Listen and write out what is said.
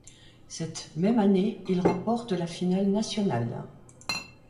Cette même année, il remporte la finale nationale.